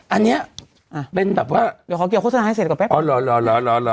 อันนี้เป็นแบบว่าเดี๋ยวขอเกี่ยวโฆษณาให้เสร็จก่อนแป๊บอ๋อเหรอ